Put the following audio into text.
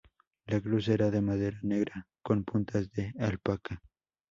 La cruz será de madera negra, con puntas de alpaca.